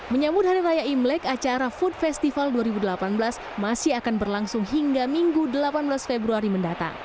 menyambut hari raya imlek acara food festival dua ribu delapan belas masih akan berlangsung hingga minggu delapan belas februari mendatang